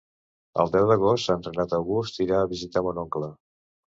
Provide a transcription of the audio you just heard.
El deu d'agost en Renat August irà a visitar mon oncle.